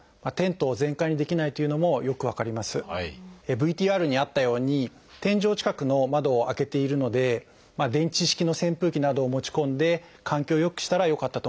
ＶＴＲにあったように天井近くの窓を開けているので電池式の扇風機などを持ち込んで換気をよくしたらよかったと思います。